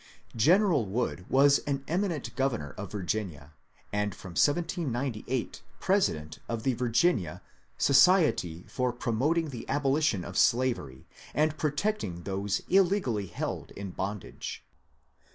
General Wood was an emi nent governor of Virginia, and from 1798 president of the Virginia '' Society for promoting the Abolition of Slavery, and protecting those Illegally held in Bondage."